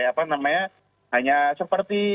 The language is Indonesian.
apa namanya hanya seperti